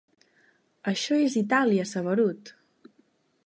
Això és a Itàlia, saberut!